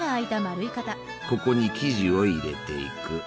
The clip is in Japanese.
ここに生地を入れていく。